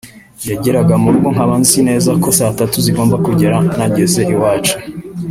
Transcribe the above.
yageraga mu rugo nkaba nzi neza ko saa tatu zigomba kugera nageze iwacu”